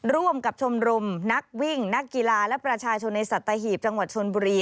ร่วมกับชมรมนักวิ่งนักกีฬาและประชาชนในสัตหีบจังหวัดชนบุรี